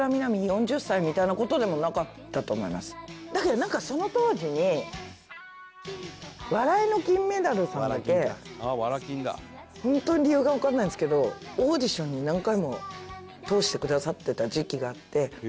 だけどなんかその当時に『笑いの金メダル』さんだけ本当に理由がわかんないんですけどオーディションに何回も通してくださってた時期があって。